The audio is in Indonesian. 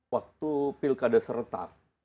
waktu pilkada serta